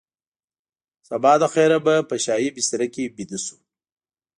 سبا له خیره به په شاهي بستره کې ویده شو.